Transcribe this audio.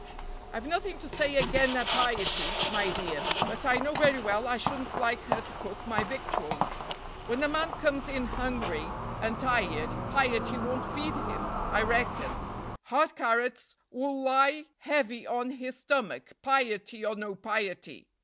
"I've nothing to say again' her piety, my dear; but I know very well I shouldn't like her to cook my victuals. When a man comes in hungry and tired, piety won't feed him, I reckon. Hard carrots 'ull lie heavy on his stomach, piety or no piety.